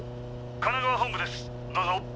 神奈川本部ですどうぞ！